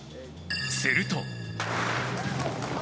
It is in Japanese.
すると。